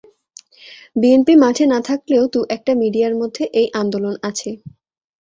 BNP মাঠে না থাকলেও দু একটা মিডিয়ার মধ্যে এই আন্দোলন আছে।